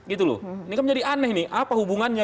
ini kan menjadi aneh nih apa hubungannya